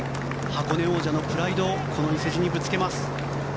箱根王者のプライドをこの伊勢路にぶつけます。